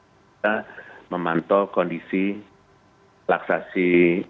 kita memantau kondisi laksasi